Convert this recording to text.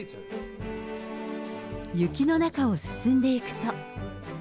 雪の中を進んでいくと。